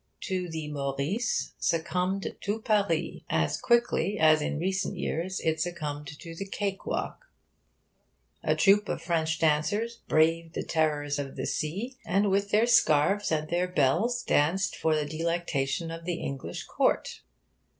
To the 'Maurisce' succumbed 'tout Paris' as quickly as in recent years it succumbed to the cake walk. A troupe of French dancers braved the terrors of the sea, and, with their scarves and their bells, danced for the delectation of the English court.